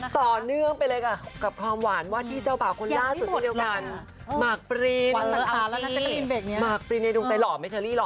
ต่อเนื่องไปเลยกับ